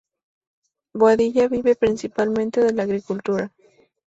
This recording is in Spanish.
Boadilla vive principalmente de la agricultura.